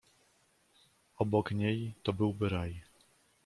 "obok niej, to byłby raj!"